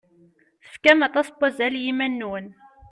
Tefkam aṭas n wazal i yiman-nwen.